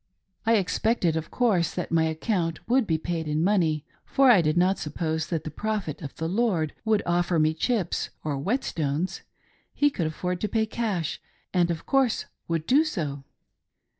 I expected, of course, that my account would be paid in money, for I did not suppose that the Prophet of the Lord would offer me chips or whetstones :— he could afford to pay cash, and, of course, would do so.